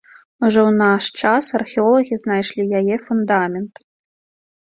Ужо ў наш час археолагі знайшлі яе фундамент.